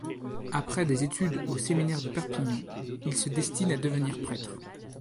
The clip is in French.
Après des études au séminaire de Perpignan, il se destine à devenir prêtre.